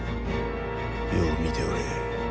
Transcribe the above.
よう見ておれ